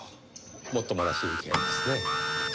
もっともらしい意見ですね。